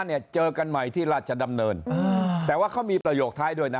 เนี่ยเจอกันใหม่ที่ราชดำเนินแต่ว่าเขามีประโยคท้ายด้วยนะ